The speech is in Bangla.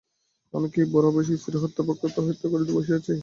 আমি কি এই বুড়াবয়সে স্ত্রীহত্যা ব্রহ্মহত্যা করিতে বসিয়াছি।